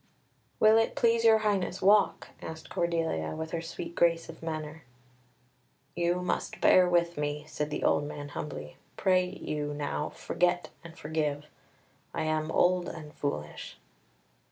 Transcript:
"Will it please your highness walk?" asked Cordelia, with her sweet grace of manner. "You must bear with me," said the old man humbly. "Pray you, now, forget and forgive. I am old and foolish."